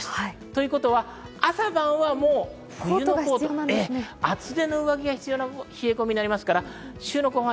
ということは朝晩はもう冬のコート、厚手の上着が必要な冷え込みとなります。